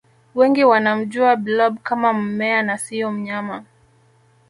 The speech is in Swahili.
wengi wanamjua blob kama mmea na siyo mnyama